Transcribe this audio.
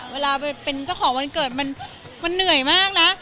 เวลาเป็นเจ้าของมันเหนื่อยมากนะ